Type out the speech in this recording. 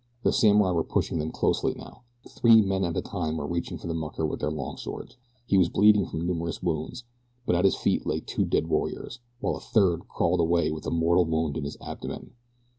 The samurai were pushing them closely now. Three men at a time were reaching for the mucker with their long swords. He was bleeding from numerous wounds, but at his feet lay two dead warriors, while a third crawled away with a mortal wound in his abdomen.